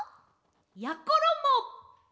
やころも！